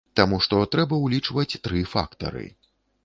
Таму што трэба ўлічваць тры фактары.